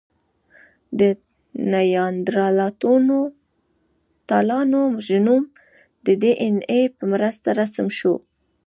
د نیاندرتالانو ژینوم د ډياېناې په مرسته رسم شو.